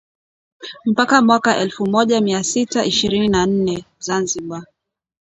Mpaka mwaka elfu moja mia sita ishirini na nne, zanzibar